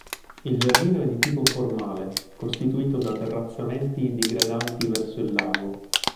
Il giardino è di tipo formale, costituito da terrazzamenti digradanti verso il lago.